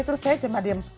terus saya cuma diem